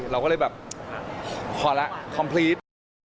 เราก็เลยแบบพอแล้วคอมพลีต